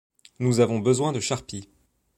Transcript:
Nous avons besoin de charpie.